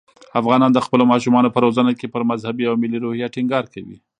افغانان د خپلو ماشومانو په روزنه کې پر مذهبي او ملي روحیه ټینګار کوي.